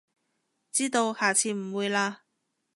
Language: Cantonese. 知道，下次唔會喇